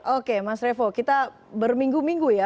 oke mas revo kita berminggu minggu ya